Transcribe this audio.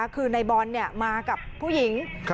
คือในบอลมากับผู้หญิง